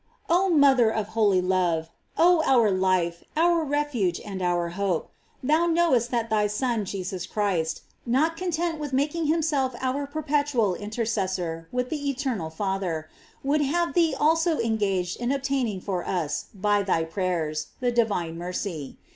Oh mother of holy love, oh our life, our ref uge, and our hope, thou knowest that thy Son Jesus Christ, not content with making himself our perpetual intercessor with the eternal Fath er, would have thee also engaged in obtaining for us, by thy prayers, the divine mercy.